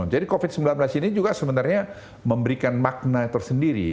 jadi covid sembilan belas ini juga sebenarnya memberikan makna tersendiri